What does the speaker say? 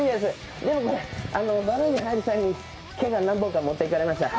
でも、バルーンに入るときに毛が何本か持っていかれました。